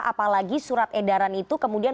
apalagi surat edaran itu kemudian